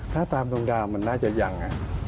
ถ้าตามดวงดาวมันน่าจะยัง